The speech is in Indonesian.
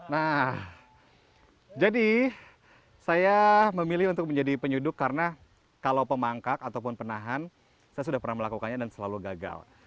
nah jadi saya memilih untuk menjadi penyuduk karena kalau pemangkak ataupun penahan saya sudah pernah melakukannya dan selalu gagal